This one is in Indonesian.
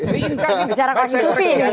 diingatnya jarak itu sih